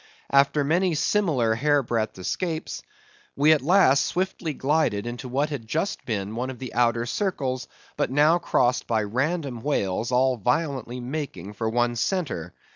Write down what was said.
After many similar hair breadth escapes, we at last swiftly glided into what had just been one of the outer circles, but now crossed by random whales, all violently making for one centre.